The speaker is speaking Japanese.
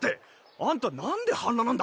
あんたなんで半裸なんだ？